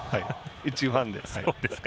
一ファンです。